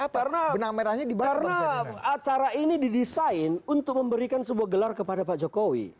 karena acara ini didesain untuk memberikan sebuah gelar kepada pak jokowi